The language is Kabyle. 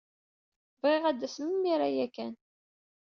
Bɣiɣ ad d-tasem imir-a ya kan.